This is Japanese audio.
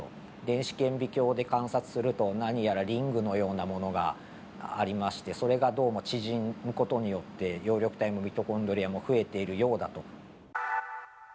電子顕微鏡で観察すると何やらリングのようなものがありましてそれがどうも縮む事によって葉緑体もミトコンドリアも増えているようだと。